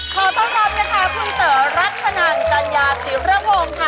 ขอต้อนรับนะคะคุณเต๋อรัฐนันจัญญาจิระวงค่ะ